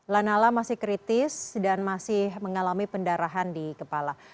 lanala masih kritis dan masih mengalami pendarahan di kepala